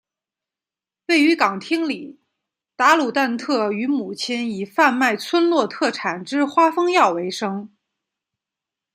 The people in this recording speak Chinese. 位于港町里达鲁旦特与母亲以贩卖村落特产之花封药为生。